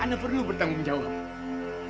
anda perlu bertanggung jawab